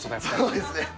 そうですね。